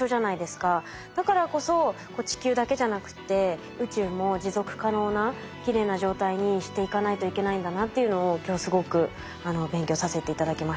だからこそ地球だけじゃなくて宇宙も持続可能なきれいな状態にしていかないといけないんだなっていうのを今日すごく勉強させて頂きました。